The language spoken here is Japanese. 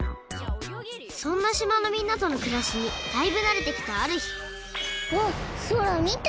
そんなしまのみんなとのくらしにだいぶなれてきたあるひわっそらみて！